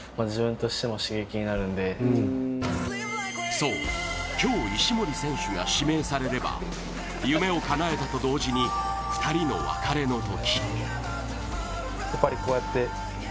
そう、今日石森選手が指名されれば夢をかなえたと同時に、２人の別れの時。